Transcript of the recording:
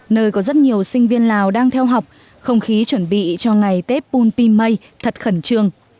nơi có rất nhiều sinh viên lào đang theo học không khí chuẩn bị cho ngày tết bum pimay thật khẩn trương